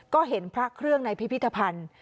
ก็เห็นพระเครื่องในพิพิธภัณฑ์